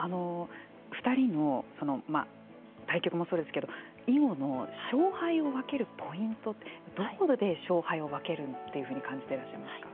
２人の対局もそうですけど囲碁の勝敗を分けるポイントってどこで勝敗を分けるというふうに感じていらっしゃいますか。